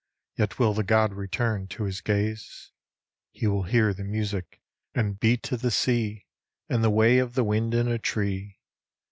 Yet will the god return to his gaze. He will hear the music and beat of the sea And the way of the wind in a tree.